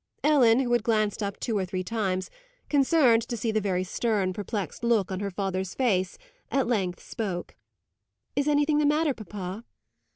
Ellen, who had glanced up two or three times, concerned to see the very stern, perplexed look on her father's face, at length spoke, "Is anything the matter, papa?"